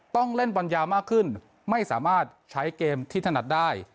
ต้องเล่นบอลยาวมากขึ้นไม่สามารถใช้เกมที่ถนัดได้